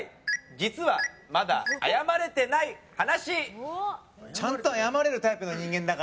実はまだ謝れてない話。